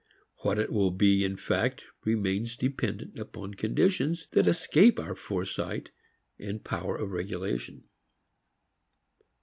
What it will be in fact remains dependent upon conditions that escape our foresight and power of regulation.